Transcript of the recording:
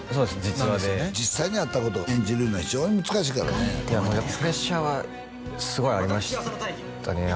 実話で実際にあったことを演じるいうのは非常に難しいからねプレッシャーはすごいありましたね